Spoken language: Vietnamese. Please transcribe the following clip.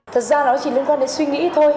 thật ra nó chỉ liên quan đến suy nghĩ thôi